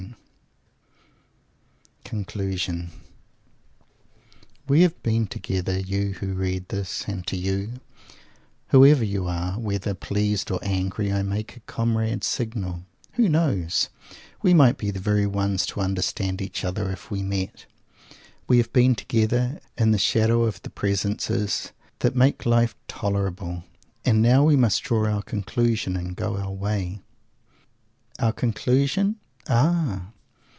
_ CONCLUSION We have been together, you who read this and to you, whoever you are, whether pleased or angry, I make a comrade's signal. Who knows? We might be the very ones to understand each other, if we met! We have been together, in the shadow of the presences that make life tolerable; and now we must draw our conclusion and go our way. Our conclusion? Ah!